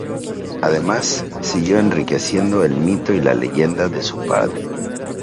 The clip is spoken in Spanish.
Además, siguió enriqueciendo el mito y la leyenda de su padre.